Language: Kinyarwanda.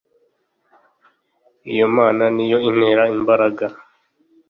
iyo mana ni yo intera imbaraga